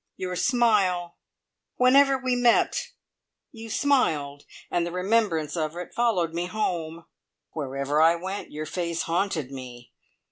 Your smile! Whenever we met, you smiled, and the remembrance of it followed me home. Wherever I went your face haunted me.